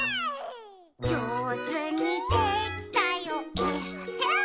「じょうずにできたよえっへん」